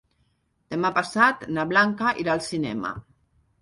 Demà passat na Blanca irà al cinema.